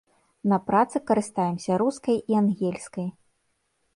На працы карыстаемся рускай і ангельскай.